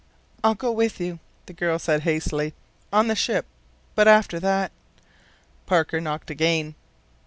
"I'll go with you," the girl said, hastily. "On the ship. But after that " Parker knocked again.